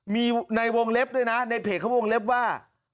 มีในวงเล็บด้วยนะในเพจเขาวงเล็บว่า